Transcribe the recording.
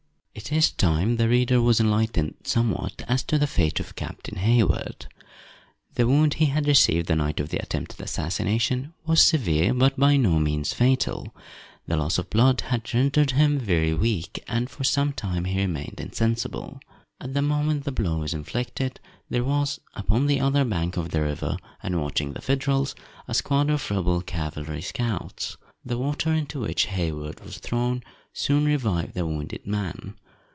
_ IT is time the reader was enlightened, somewhat, as to the fate of Captain Hayward. The wound he had received the night of the attempted assassination, was severe, but by no means fatal. The loss of blood had rendered him very weak, and for some time he remained insensible. At the moment the blow was inflicted, there was, upon the other bank of the river, and watching the Federals, a squad of rebel cavalry scouts. The water into which Hayward was thrown soon revived the wounded man.